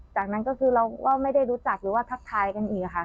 จากนั้นก็คือเราก็ไม่ได้รู้จักหรือว่าทักทายกันอีกค่ะ